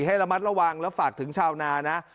ให้ระมัดระวังแล้วฝากถึงชาวนานะ